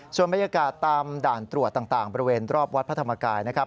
ส่วนบรรยากาศตามด่านตรวจต่างบริเวณรอบวัดพระธรรมกายนะครับ